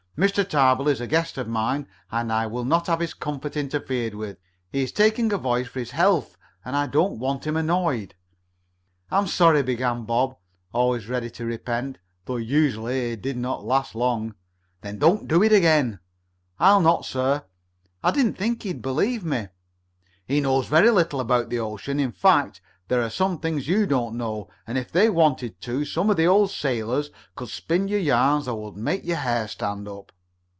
Mr. Tarbill is a guest of mine, and I will not have his comfort interfered with. He is taking a voyage for his health, and I don't want him annoyed." "I'm sorry," began Bob, always ready to repent, though usually it did not last long. "Then don't do it again." "I'll not, sir. I didn't think he'd believe me." "He knows very little about the ocean. In fact, there are some things you don't know, and, if they wanted to, some of the old sailors could spin you yarns that would make your hair stand up."